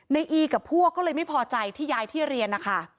อีกับพวกก็เลยไม่พอใจที่ย้ายที่เรียนนะคะ